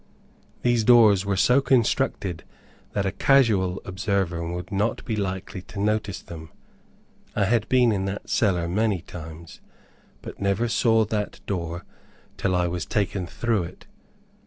These doors were so constructed, that a casual observer would not be likely to notice them. I had been in that cellar many times, but never saw that door until I was taken through it.